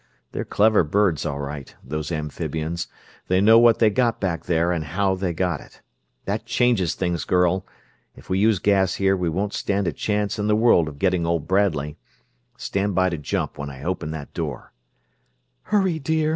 _ They're clever birds, all right, those amphibians they know what they got back there and how they got it. That changes things, girl! If we use gas here we won't stand a chance in the world of getting old Bradley. Stand by to jump when I open that door!" "Hurry, dear!